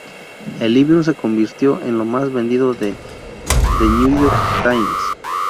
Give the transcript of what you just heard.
El libro se convirtió en lo más vendido de "The New York Times".